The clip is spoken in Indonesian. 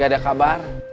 gak ada kabar